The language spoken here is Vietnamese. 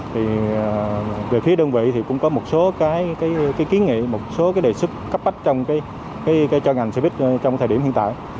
thì về phía đơn vị thì cũng có một số cái kiến nghị một số cái đề xuất cấp bách trong cái cho ngành xe buýt trong thời điểm hiện tại